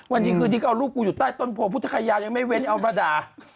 วันนี้คืนนี้ก็เอาลูกกูอยู่ใต้ต้นโพพุทธคยายังไม่เว้นเอามาด่า